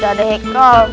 gak ada heikal